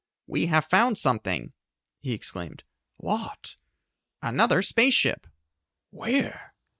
"We have found something!" he exclaimed. "What?" "Another space ship!" "Where?"